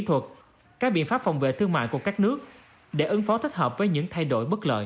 kỹ thuật các biện pháp phòng vệ thương mại của các nước để ứng phó thích hợp với những thay đổi bất lợi